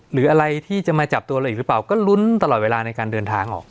หรืออะไรที่จะมาจับตัวเราอีกหรือเปล่าก็ลุ้นตลอดเวลาในการเดินทางออก